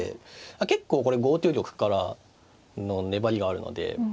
結構これ５九玉からの粘りがあるので。